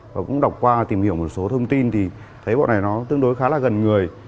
và cũng đọc qua tìm hiểu một số thông tin thì thấy bộ này nó tương đối khá là gần người